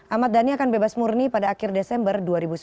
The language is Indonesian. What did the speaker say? ahmad dhani akan bebas murni pada akhir desember dua ribu sembilan belas